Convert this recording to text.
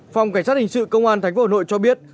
phòng cảnh sát hình sự công an tp hà nội cho biết